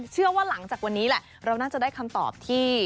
เชื่อว่าหลังจากวันนี้แหละเราน่าจะได้คำตอบที่